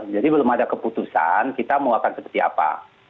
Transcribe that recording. jadi belum ada keputusan kita mau akan seperti apa